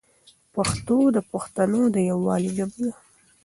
پښتو د پښتنو د یووالي ژبه ده.